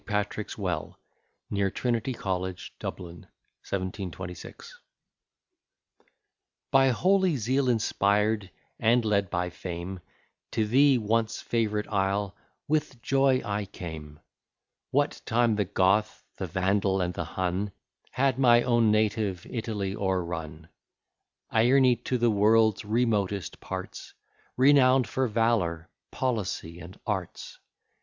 PATRICK'S WELL NEAR TRINITY COLLEGE, DUBLIN. 1726 By holy zeal inspired, and led by fame, To thee, once favourite isle, with joy I came; What time the Goth, the Vandal, and the Hun, Had my own native Italy o'errun. Ierne, to the world's remotest parts, Renown'd for valour, policy, and arts.